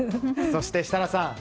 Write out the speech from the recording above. そして、設楽さん。